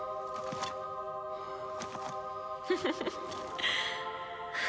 フフフッ！